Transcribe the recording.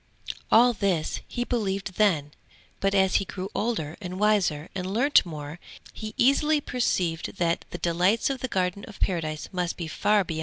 All this he believed then; but as he grew older and wiser and learnt more, he easily perceived that the delights of the Garden of Paradise must be far beyond all this.